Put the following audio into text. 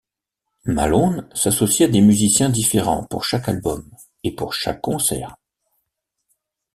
Malone s'associe à des musiciens différents pour chaque album et pour chaque concert.